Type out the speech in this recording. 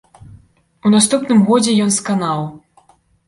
У наступным годзе ён сканаў.